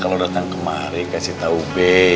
kalo datang kemari kasih tau b